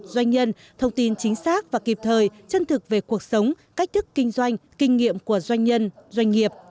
doanh nhân thông tin chính xác và kịp thời chân thực về cuộc sống cách thức kinh doanh kinh nghiệm của doanh nhân doanh nghiệp